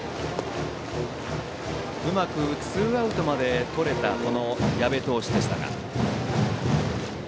うまくツーアウトまでとれた矢部投手でしたが。